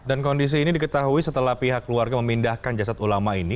dan kondisi ini diketahui setelah pihak keluarga memindahkan jasad ulama ini